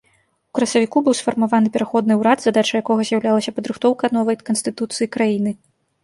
У красавіку быў сфармаваны пераходны ўрад, задачай якога з'яўлялася падрыхтоўка новай канстытуцыі краіны.